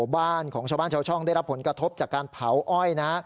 บ้านของชาวบ้านชาวช่องได้รับผลกระทบจากการเผาอ้อยนะ